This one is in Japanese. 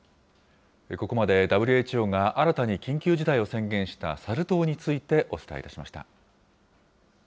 ここまでＷＨＯが新たに緊急事態を宣言したサル痘について、お伝えしました。